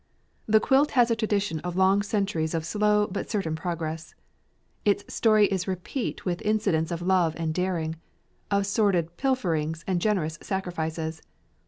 The quilt has a tradition of long centuries of slow but certain progress. Its story is replete with incidents of love and daring, of sordid pilferings and generous sacrifices.